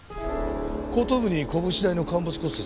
後頭部に拳大の陥没骨折。